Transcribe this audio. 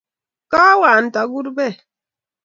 Kawe ain't agur beek